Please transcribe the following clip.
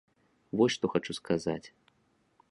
Вось што хачу сказаць.